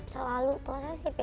selalu prosesif ya